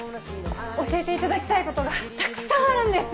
教えていただきたいことがたくさんあるんです！